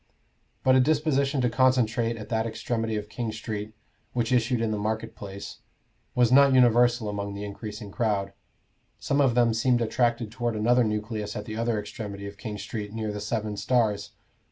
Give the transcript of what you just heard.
But a disposition to concentrate at that extremity of King Street which issued in the market place, was not universal among the increasing crowd. Some of them seemed attracted toward another nucleus at the other extremity of King Street, near the Seven Stars.